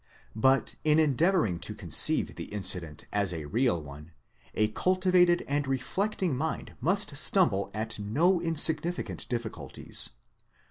But in endeavouring to con ceive the incident as a real one, a cultivated and reflecting mind must stumble at no insignificant difficulties.